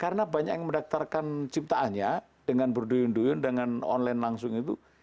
karena banyak yang mendaftarkan ciptaannya dengan berduyun duyun dengan online langsung itu